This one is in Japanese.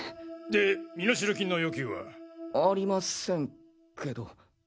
で身代金の要求は？ありませんけど。